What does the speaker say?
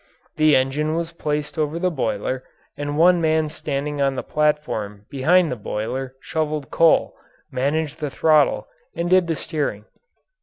The engine was placed over the boiler and one man standing on the platform behind the boiler shoveled coal, managed the throttle, and did the steering.